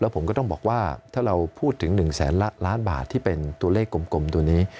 ผมก็ต้องบอกว่าถ้าเราพูดถึง๑แสนล้านบาทที่เป็นตัวเลขกลมตัวนี้